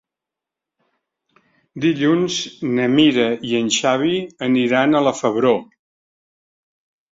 Dilluns na Mira i en Xavi aniran a la Febró.